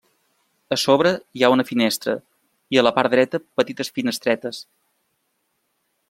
A sobre hi ha una finestra i a la part dreta petites finestretes.